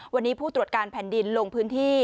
วันนี้ผู้ตรวจการแผ่นดินลงพื้นที่